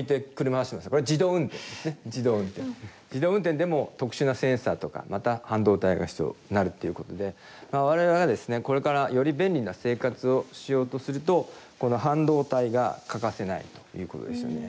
自動運転でも特殊なセンサーとかまた半導体が必要になるっていうことでまあ我々はですねこれからより便利な生活をしようとするとこの半導体が欠かせないということですよね。